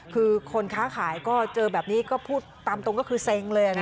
คือคนค้าขายก็เจอแบบนี้ก็พูดตามตรงก็คือเซ็งเลย